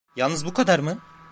Yalnız bu kadar mı?